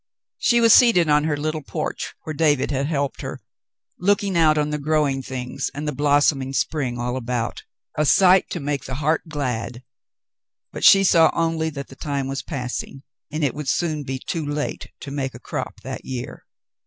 She was seated on her little porch where David had helped her, looking out on the growing things and the blossoming spring all about — a sight to make the heart glad ; but she saw only that the time was passing, and it would soon be too late to make a crop that year.